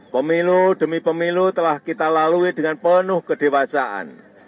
pemilu demi pemilu telah kita lalui dengan penuh kedewasaan